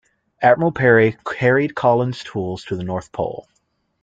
Admiral Peary carried Collins tools to the North Pole.